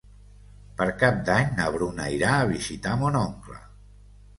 Per Cap d'Any na Bruna irà a visitar mon oncle.